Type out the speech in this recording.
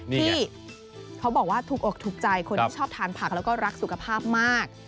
ที่เขาบอกว่าถูกอกถูกใจคนที่ชอบทานผักแล้วก็รักสุขภาพมาก